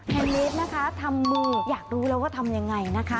แฮนเลสนะคะทำมืออยากรู้แล้วว่าทำอย่างไรนะคะ